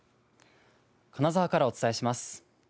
金沢からお伝えします。